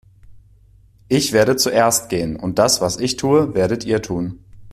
Ich werde zuerst gehen und das, was ich tue, werdet ihr tun.